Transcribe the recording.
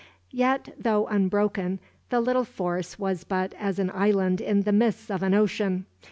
Yet though unbroken, the little force was but as an island in the midst of an ocean.